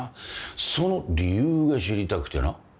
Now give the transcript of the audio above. その理由が知りたくてな。